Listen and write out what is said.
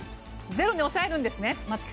ゼロに抑えるんですね。